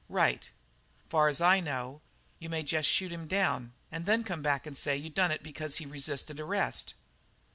"Right." "Far's I know, you may jest shoot him down and then come back and say you done it because he resisted arrest."